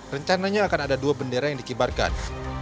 rencananya akan ada dua bendera yang dikibarkan